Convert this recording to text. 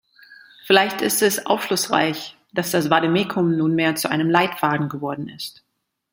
Vielleicht ist es aufschlussreich, dass das Vademekum nunmehr zu einem Leitfaden geworden ist.